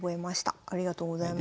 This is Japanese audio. ありがとうございます。